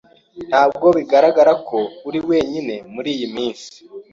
Ntabwo bigaragara ko uri wenyine muriyi minsi.